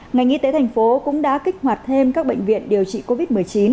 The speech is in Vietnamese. ngành y tế thành phố cũng đã kích hoạt thêm các bệnh viện điều trị covid một mươi chín